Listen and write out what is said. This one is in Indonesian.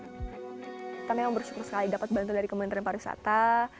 kita memang bersyukur sekali dapat bantuan dari kementerian pariwisata